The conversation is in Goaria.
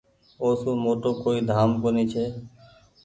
او سون موٽو ڪوئي ڌآم ڪونيٚ ڇي۔